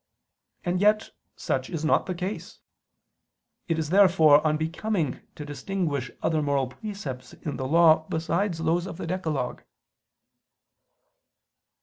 And yet such is not the case. It is therefore unbecoming to distinguish other moral precepts in the Law besides those of the decalogue.